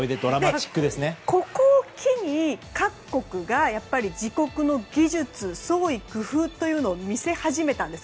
ここを機に各国がやっぱり自国の技術創意工夫というのを見せ始めたんです。